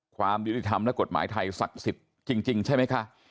ความยุติธรรมและกฎหมายไทยศักดิ์สิทธิ์จริงใช่ไหมคะ